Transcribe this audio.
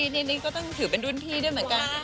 นี่ก็ต้องถือเป็นรุ่นพี่ด้วยเหมือนกัน